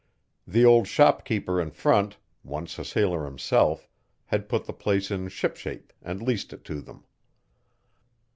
The old shopkeeper in front, once a sailor himself, had put the place in shipshape and leased it to them.